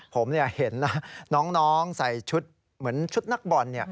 ผมเห็นนะน้องใส่ชุดเหมือนชุดนักบอล